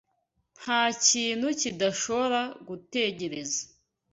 Ntakintu kidashobora gutegereza.